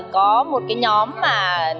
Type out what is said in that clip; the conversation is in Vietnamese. có một cái nhóm mà